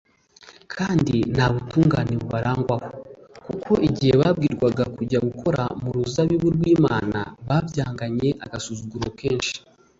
kandi nta butungane bubarangwaho; kuko igihe babwirwaga kujya gukora mu ruzabibu rw’imana, babyanganye agasuzuguro kenshi